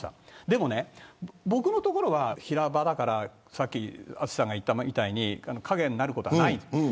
でも僕のところは平場だから淳さんが言ったみたいに影になることはないです。